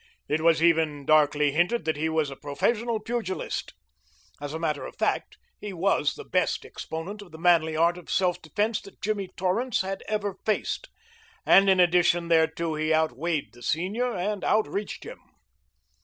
It was even darkly hinted that he was a professional pugilist. As a matter of fact, he was the best exponent of the manly art of self defense that Jimmy Torrance had ever faced, and in addition thereto he outweighed the senior and outreached him.